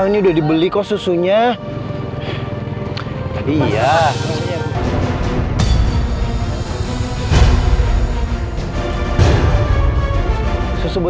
tidak ada apa apa